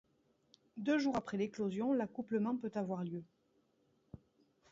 Deux jours après l'éclosion l'accouplement peut avoir lieu.